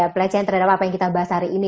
pelecehan terhadap apa yang kita bahas hari ini